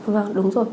vâng đúng rồi